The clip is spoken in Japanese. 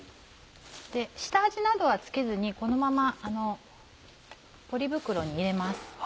下味などは付けずにこのままポリ袋に入れます。